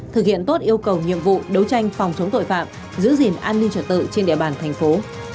thực hiện tốt yêu cầu nhiệm vụ đấu tranh phòng chống tội phạm giữ gìn an ninh trật tự trên địa bàn thành phố